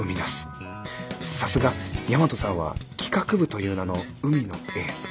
さすが大和さんは企画部という名の海のエース。